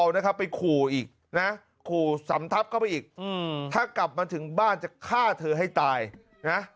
ให้ตายหมดทั้งสามคนเลยนะ